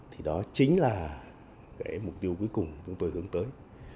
thì đó chính là cái mục tiêu cuối cùng chúng tôi hướng tới